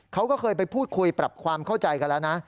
เขาก็เคยไปพูดคุยปรับความเข้าใจกันแล้วนะ